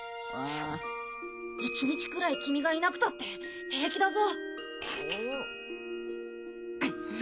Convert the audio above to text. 一日くらいキミがいなくたって平気だぞ。